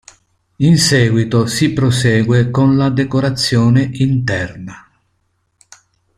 In seguito si prosegue con la decorazione interna.